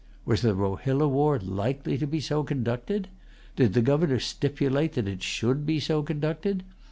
Was the Rohilla war likely to be so conducted? Did the Governor stipulate that it should be so conducted?